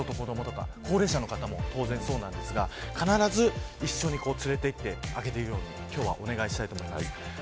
ペットと子どもとか高齢者の方もそうですが必ず一緒に連れていってあげるように今日はお願いしたいです。